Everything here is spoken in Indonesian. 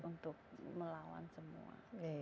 untuk melawan semua